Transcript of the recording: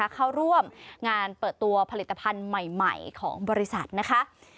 เข้าร่วมงานเปิดตัวผลิตภัณฑ์ใหม่ของบริษัทนะคะ